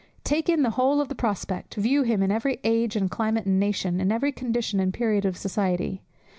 Take in the whole of the prospect, view him in every age, and climate, and nation, in every condition and period of society.